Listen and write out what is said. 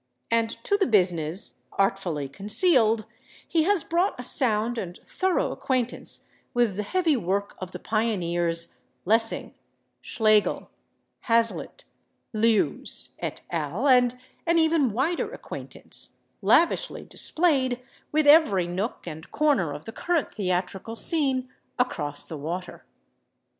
And to the business, artfully concealed, he has brought a sound and thorough acquaintance with the heavy work of the pioneers, Lessing, Schlegel, Hazlitt, Lewes et al—and an even wider acquaintance, lavishly displayed, with every nook and corner of the current theatrical scene across the water.